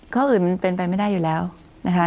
ข้ออื่นมันเป็นไปไม่ได้อยู่แล้วนะคะ